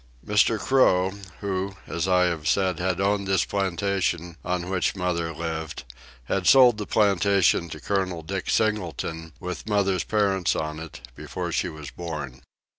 Mr. Crough who, as I have said had owned this plantation on which mother lived, had sold the plantation to Col. Dick Singleton, with mother's parents on it, before she was born.